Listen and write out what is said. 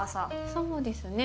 そうですね。